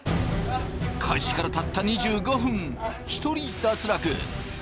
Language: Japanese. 開始からたった２５分１人脱落。